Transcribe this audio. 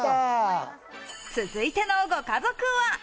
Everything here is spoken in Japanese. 続いてのご家族は。